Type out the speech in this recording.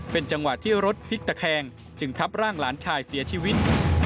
เป็นจังหวะที่รถพลิกตะแคงจึงทับร่างหลานชายเสียชีวิต